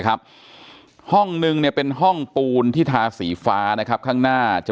ครับห้องนึงเนี่ยเป็นห้องปูนที่ทาสีฟ้านะครับข้างหน้าจะ